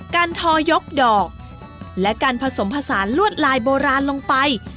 ทอยกดอกและการผสมผสานลวดลายโบราณลงไป